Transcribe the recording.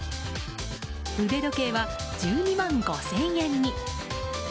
腕時計は１２万５０００円に。